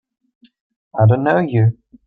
I don't know you!